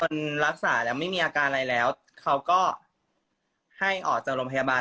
รักษาแล้วไม่มีอาการอะไรแล้วเขาก็ให้ออกจากโรงพยาบาล